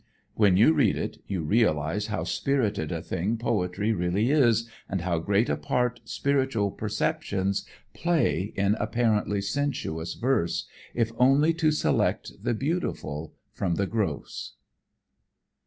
When you read it you realize how spirited a thing poetry really is and how great a part spiritual perceptions play in apparently sensuous verse, if only to select the beautiful from the gross.